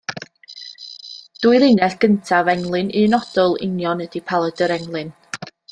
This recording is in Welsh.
Dwy linell gyntaf englyn unodl union ydy paladr englyn.